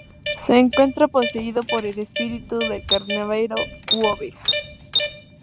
Se encuentra poseído por el espíritu del carnero u oveja.